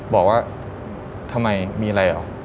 บอกว่าทำไมมีอะไรเหรอ